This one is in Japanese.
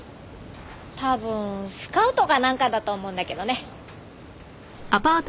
多分スカウトかなんかだと思うんだけどね。